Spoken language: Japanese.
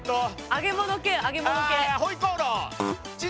揚げ物系揚げ物系。